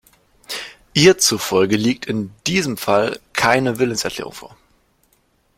Ihr zufolge liegt in diesem Fall keine Willenserklärung vor.